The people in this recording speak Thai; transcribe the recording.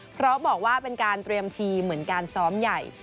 เพราะบอกว่าเป็นการเตรียมทีมเหมือนการซ้อมใหญ่